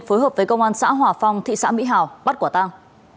phối hợp với công an xã hòa phong thị xã mỹ hào bắt quả tăng